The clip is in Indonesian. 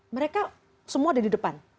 mereka semua ada di depan